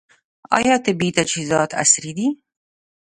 آیا طبي تجهیزات عصري دي؟